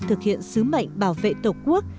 thực hiện sứ mệnh bảo vệ tổ quốc